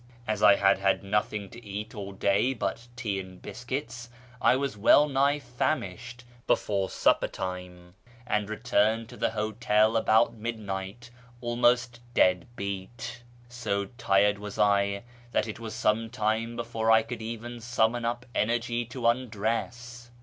As I had had nothing to eat all day but tea and biscuits, I was well nigh famished before supper time, and returned to the hotel about midnight almost dead beat. So tired was I that it was some time before I could even summon up energy to undress.